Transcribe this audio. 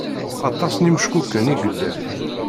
Aṭas n imeckuken i yellan.